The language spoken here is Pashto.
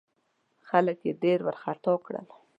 خلک یې ډېر وارخطا کړل.